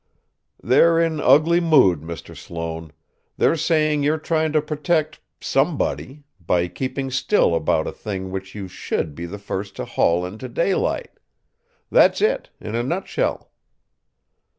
"They're in ugly mood, Mr. Sloane. They're saying you're trying to protect somebody by keeping still about a thing which you should be the first to haul into daylight. That's it in a nutshell."